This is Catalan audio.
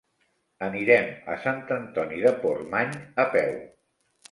Anirem a Sant Antoni de Portmany a peu.